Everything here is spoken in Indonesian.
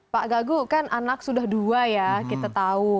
pak gagu kan anak sudah dua ya kita tahu